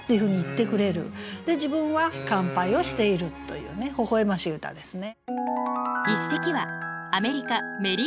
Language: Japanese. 自分は乾杯をしているというねほほ笑ましい歌ですね。